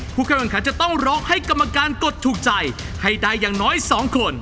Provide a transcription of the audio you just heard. กำลังขันจะต้องร้องให้กรรมการกดถูกใจให้ได้อย่างน้อย๒คน